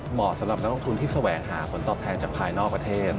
เหมาะสำหรับนักลงทุนที่แสวงหาผลตอบแทนจากภายนอกประเทศ